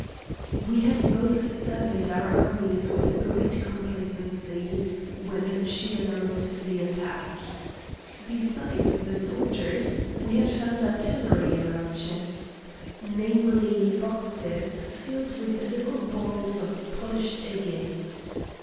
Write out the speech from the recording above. We had both surveyed our armies with great complacency, when she announced the attack. Besides the soldiers, we had found artillery in our chests namely, boxes filled with little balls of polished agate.